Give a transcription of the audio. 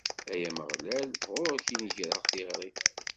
Ay Ameɣlal, ɣur-k i n-greɣ tiɣri!